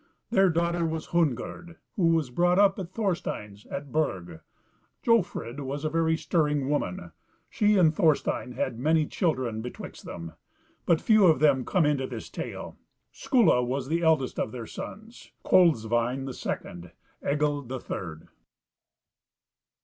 Their daughter was Hungerd, who was brought up at Thorstein's at Burg. Jofrid was a very stirring woman; she and Thorstein had many children betwixt them, but few of them come into this tale. Skuli was the eldest of their sons, Kollsvein the second, Egil the third.